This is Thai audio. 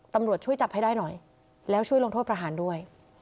ตำรวจช่วยจับให้ได้หน่อยแล้วช่วยลงโทษประหารด้วย